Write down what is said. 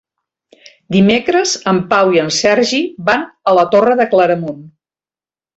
Dimecres en Pau i en Sergi van a la Torre de Claramunt.